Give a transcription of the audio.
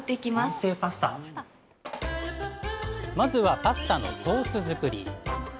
まずはパスタのソース作り。